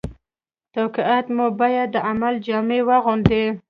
توقعات مو باید د عمل جامه واغوندي